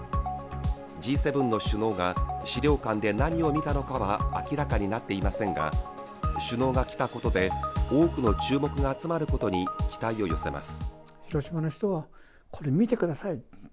Ｇ７の首脳が資料館で何を見たのかは明らかになっていませんが首脳が来たことで、多くの注目が集まることに期待を寄せます。